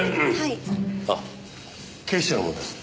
あっ警視庁の者です。